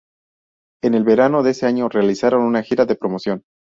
En el verano de ese año realizaron una gira de promoción.